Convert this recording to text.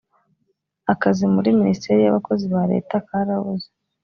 akazi muri minisiteri y abakozi ba leta karabuze